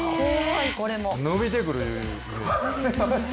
伸びてくるというイメージ。